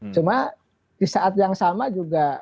cuma di saat yang sama juga